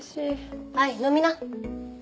はい飲みな。